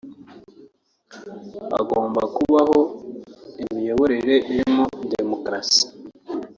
hagomba kubaho imiyoborere irimo demokarasi